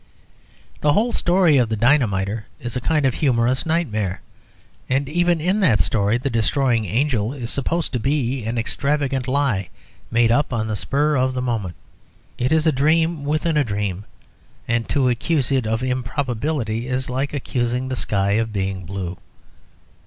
The whole story of "The Dynamiter" is a kind of humorous nightmare, and even in that story "The Destroying Angel" is supposed to be an extravagant lie made up on the spur of the moment. It is a dream within a dream, and to accuse it of improbability is like accusing the sky of being blue.